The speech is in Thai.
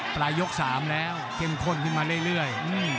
ปลายยก๓แล้วเข้มข้นขึ้นมาเรื่อย